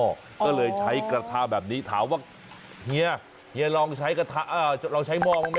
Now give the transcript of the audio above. ก็เลยใช้กระทะแบบนี้ถามว่าเฮียลองใช้กระทะ